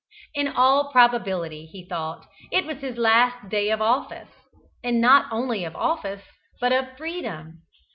In all probability, he thought, it was his last day of office, and not only of office, but of freedom.